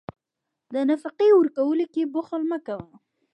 د نفقې ورکولو کې بخل مه کوه.